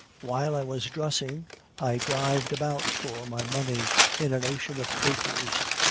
While I as dressing, I dived about for my money in an ocean of papers.